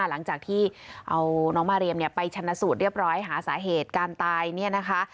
หลังจากที่เอาน้องมาเรียมเนี่ยไปชนะสูตรเรียบร้อยหาสาเหตุการตายเนี่ยนะคะ